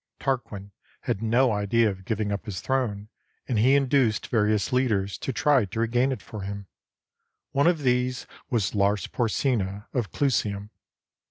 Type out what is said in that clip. Tarquin had no idea of giving up his throne, and he induced various leaders to try to regain it for him. One of these was Lars Porsena of Clusium.